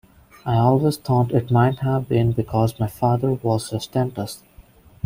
I always thought it might have been because my father was his dentist.